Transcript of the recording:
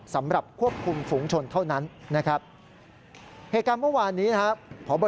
สำหรับควบคุมฝูงชนเท่านั้นนะครับพบ